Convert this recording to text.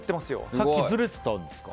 さっきずれていたんですか。